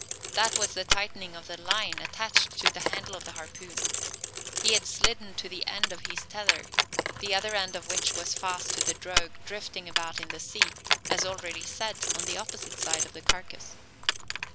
That was the tightening of the line attached to the handle of the harpoon. He had slidden to the end of his tether, the other end of which was fast to the drogue drifting about in the sea, as already said, on the opposite side of the carcass.